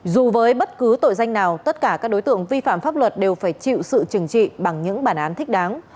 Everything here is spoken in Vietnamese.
dù với bất cứ tội danh nào tất cả các đối tượng vi phạm pháp luật đều phải chịu sự trừng trị bằng những bản án thích đáng